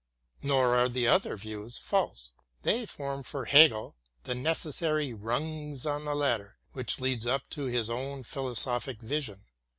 Nor are the other views false. They form for Hegel the necessary rungs on the ladder which leads up to his own philosophic vision.